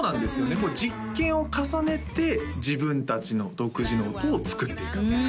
これ実験を重ねて自分達の独自の音を作っていくんです